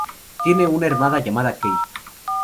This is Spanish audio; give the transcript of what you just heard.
Tiene una hermana llamada Kay.